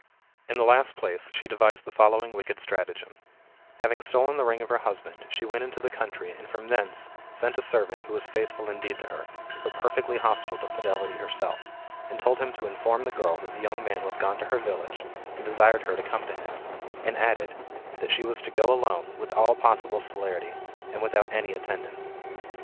In the last place, she devised the following wicked stratagem: having stolen the ring of her husband, she went into the country, and from thence sent a servant, who was faithful indeed to her, but perfectly hostile to Fidelity herself, and told him to inform the girl that the young man was gone to her village, and desired her to come to him ; and added, that she was to go alone, with all possible celerity, and without any attendant.